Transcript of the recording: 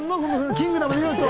『キングダム』で言うと。